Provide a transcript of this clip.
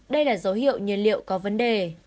đây là dấu hiệu nhiên liệu có vấn đề